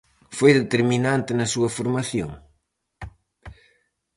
Foi determinante na súa formación?